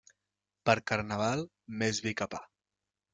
Per Carnaval, més vi que pa.